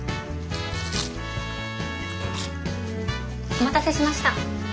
お待たせしました。